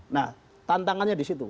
nah tantangannya di situ